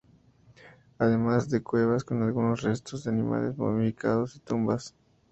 Además de cuevas con algunos restos de animales momificados y tumbas.